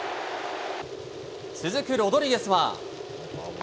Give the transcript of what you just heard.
続くロドリゲスは。